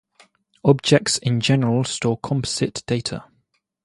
Objects in general store composite data.